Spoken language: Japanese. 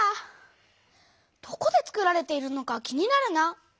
どこでつくられているのか気になるな。